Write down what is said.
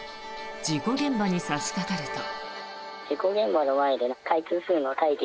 事故現場に差しかかると。